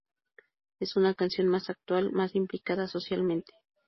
Es una canción más actual, más implicada socialmente.